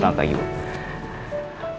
selamat pagi bu andien